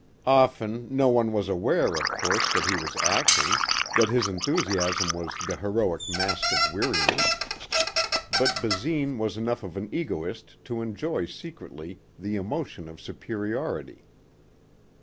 Often no one was aware, of course, that he was acting, that his enthusiasm was the heroic mask of weariness. But Basine was enough of an egoist to enjoy secretly the emotion of superiority.